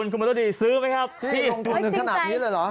อ่าทุนสุดสกุลคุณมตดิซื้อไหมครับนี่ลงถึงถึงขนาดนี้เลยเหรอ